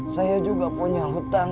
saya juga punya hutang